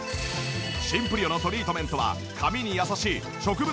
シンプリオのトリートメントは髪に優しい植物性